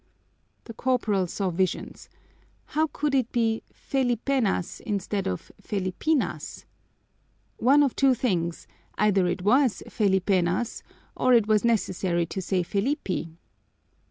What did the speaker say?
The corporal saw visions. How could it be Felipenas instead of Felipinas? One of two things: either it was Felipenas or it was necessary to say _Felipi!